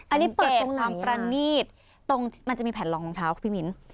อันนี้เปิดตรงไหนอ่ะสังเกตรประนีตตรงที่มันจะมีแผ่นรองรองเท้าพี่มิน